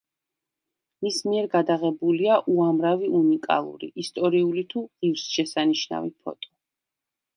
მის მიერ გადაღებულია უამრავი უნიკალური, ისტორიული თუ ღირსშესანიშნავი ფოტო.